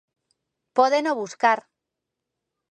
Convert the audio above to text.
Pódeno buscar.